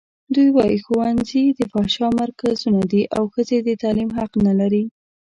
دوی وايي ښوونځي د فحشا مرکزونه دي او ښځې د تعلیم حق نه لري.